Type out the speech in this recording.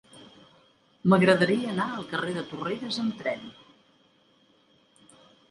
M'agradaria anar al carrer de Torrelles amb tren.